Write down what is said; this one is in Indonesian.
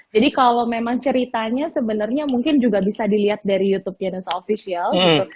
jadi kalau memang ceritanya sebenarnya mungkin juga bisa dilihat dari youtubenya nusa official gitu